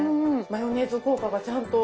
マヨネーズ効果がちゃんと。